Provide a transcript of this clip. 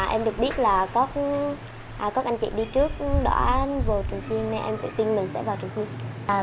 em được biết là có các anh chị đi trước đỏ anh vào trường chiên nên em tự tin mình sẽ vào trường chiên